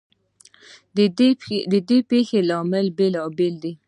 ددې پیښو لاملونه بیلابیل دي.